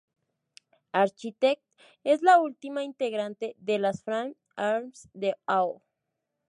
Architect es la última integrante de las Frame Arms de Ao.